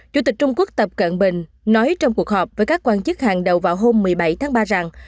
chủ tịch trung quốc tập cận bình nói trong cuộc họp với các quan chức hàng đầu vào hôm một mươi bảy tháng ba rằng